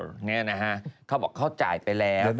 เนี่ยนะฮะเขาบอกเขาจ่ายไปแล้ว